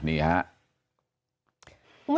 นี่ฮะ